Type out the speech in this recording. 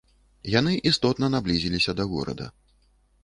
Яны істотна наблізіліся да горада.